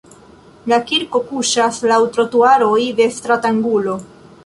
La kirko kuŝas laŭ trotuaroj de stratangulo.